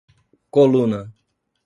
Coluna